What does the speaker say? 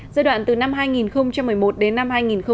giai đoạn từ năm hai nghìn một mươi một đến năm hai nghìn một mươi chín